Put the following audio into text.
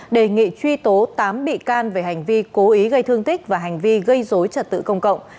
đề nghị truy tố tám bị can về hành vi cố ý gây thương tích và hành vi gây dối trật tự công cộng